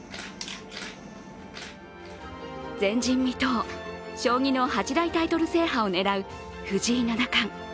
前人未到、将棋の八大タイトル制覇を狙う藤井七冠。